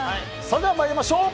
それでは参りましょう！